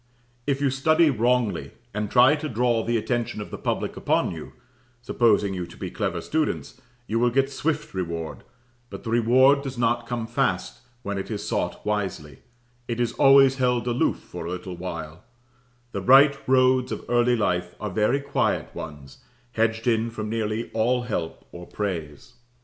If you study wrongly, and try to draw the attention of the public upon you, supposing you to be clever students you will get swift reward; but the reward does not come fast when it is sought wisely; it is always held aloof for a little while; the right roads of early life are very quiet ones, hedged in from nearly all help or praise.